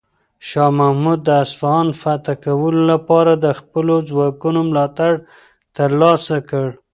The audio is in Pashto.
شاه محمود د اصفهان فتح کولو لپاره د خپلو ځواکونو ملاتړ ترلاسه کړ.